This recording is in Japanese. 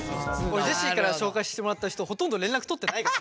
俺ジェシーから紹介してもらった人ほとんど連絡取ってないから。